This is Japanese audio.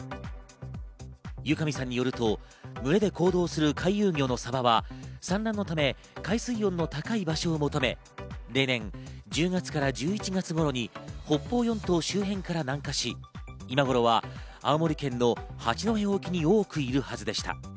由上さんによると群れで行動する回遊魚のサバは、産卵のため海水温の高い場所を求め、例年１０月から１１月頃に北方四島周辺から南下し、今頃は青森県の八戸沖に多くいるはずでした。